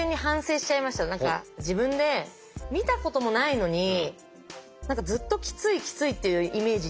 自分で見たこともないのに何かずっときついきついっていうイメージ